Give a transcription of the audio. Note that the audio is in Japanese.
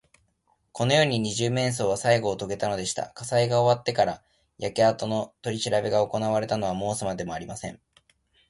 このようにして、二十面相はさいごをとげたのでした。火災が終わってから、焼けあとのとりしらべがおこなわれたのは申すまでもありません。